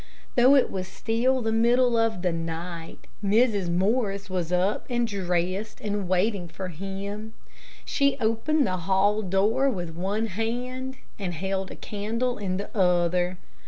Though it was still the middle of the night, Mrs. Morris was up and dressed and waiting for him. She opened the hall door with one hand and held a candle in the other.